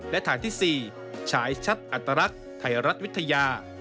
และทางที่๔ฉายชัดอัตรักษ์ไทยรัฐวิทยา